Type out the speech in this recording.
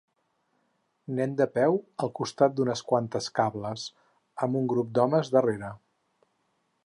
Nen de peu al costat d'unes quantes cables, amb un grup d'homes darrere.